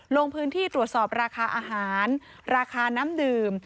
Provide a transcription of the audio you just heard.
ลงพื้นที่ตรวจสอบราคาอาหารราคาน้ำดื่ม